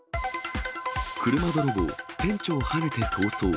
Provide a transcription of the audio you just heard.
車泥棒、店長はねて逃走。